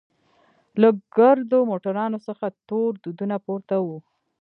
له ګردو موټرانوڅخه تور دودونه پورته وو.